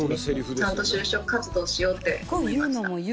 ちゃんと就職活動しようって思いました。